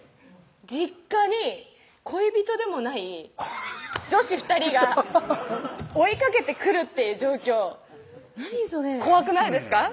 実家に恋人でもない女子２人が追いかけてくるっていう状況怖くないですか？